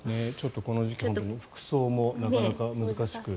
この時期の服装もなかなか難しく